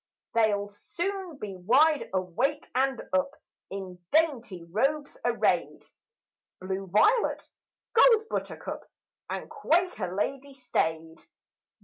They'll soon be wide awake and up, In dainty robes arrayed, Blue violet, gold buttercup, And quaker lady staid.